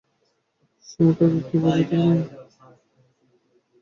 সুমোকে আগে কেউ কখনো হারাতে পারেনি।